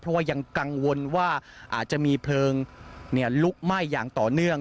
เพราะว่ายังกังวลว่าอาจจะมีเพลิงลุกไหม้อย่างต่อเนื่อง